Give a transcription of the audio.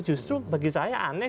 justru bagi saya aneh